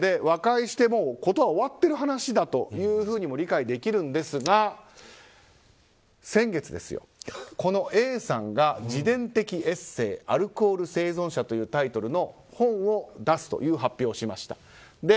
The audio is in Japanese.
和解して事は終わってる話だとも理解できるんですが先月、このＡさんが自伝的エッセー「アルコール生存者」というタイトルの本を出すという発表をしました。